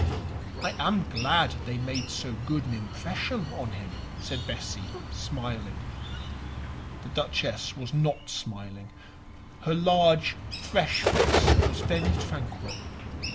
"I am glad they made so good an impression on him," said Bessie, smiling. The Duchess was not smiling; her large fresh face was very tranquil.